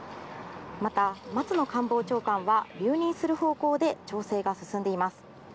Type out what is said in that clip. また、松野官房長官は留任する方向で調整が進んでいます。